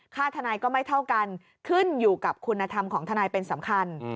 ทนายก็ไม่เท่ากันขึ้นอยู่กับคุณธรรมของทนายเป็นสำคัญ